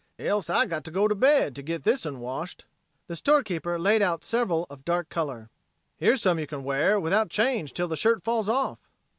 Else, I got to go to bed to git this un washed." The storekeeper laid out several of dark color: "Here's some you can wear without change till the shirt falls off."